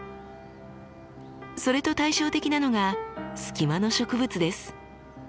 それと対照的なのがスキマの植物です。